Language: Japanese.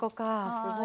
すごい。